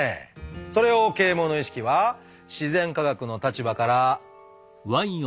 それを啓蒙の意識は自然科学の立場から。